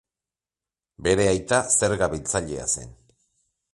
Bere aita zerga biltzailea zen.